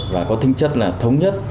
và có tinh chất là thống nhất